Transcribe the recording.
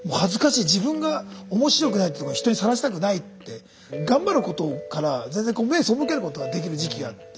自分が面白くないってとこを人にさらしたくないって頑張ることから全然目背けることができる時期があって。